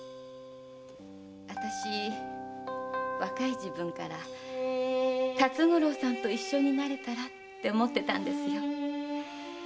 私若い時分から辰五郎さんと一緒になれたらって思ってたんですよ。